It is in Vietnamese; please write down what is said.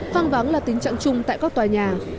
hoang vắng là tình trạng chung tại các tòa nhà